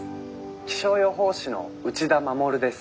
気象予報士の内田衛です」。